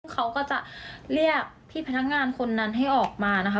เขาก็จะเรียกพี่พนักงานคนนั้นให้ออกมานะคะ